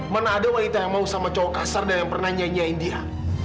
mana ada wanita yang mau sama cowok kasar dan yang pernah nyanyiin dia